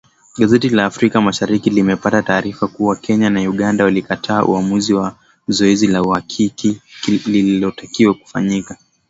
Gazeti la Africa Mashariki limepata taarifa kuwa Kenya na Uganda walikataa uamuzi wa zoezi la uhakiki lililotakiwa kufanyika